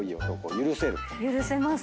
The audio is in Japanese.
許せます。